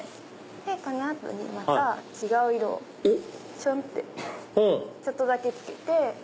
この後にまた違う色をちょん！ってちょっとだけつけて。